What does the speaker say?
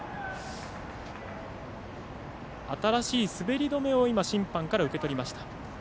新しい滑り止めを審判から受け取りました。